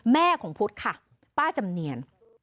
แม่ของพุทธค่ะป้าจำเนียน